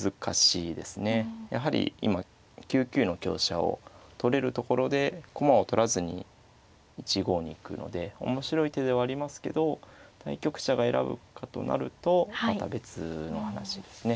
やはり今９九の香車を取れるところで駒を取らずに１五に行くので面白い手ではありますけど対局者が選ぶかとなるとまた別の話ですね。